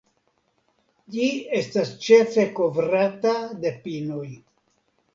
Ĝi estas ĉefe kovrata de pinoj.